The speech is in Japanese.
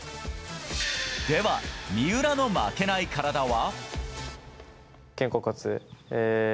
では三浦の負けないカラダは？